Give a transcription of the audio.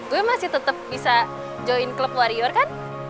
gue masih tetep bisa join klub warior kan